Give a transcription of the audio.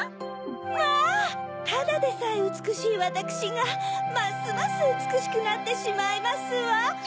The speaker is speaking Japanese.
まぁただでさえうつくしいわたくしがますますうつくしくなってしまいますわ。